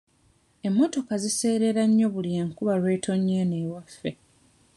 Emmotoka ziseerera nnyo buli nkuba lw'etonnya eno ewaffe.